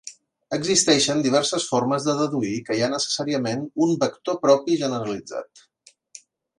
Existeixen diverses formes de deduir que hi ha necessàriament un vector propi generalitzat.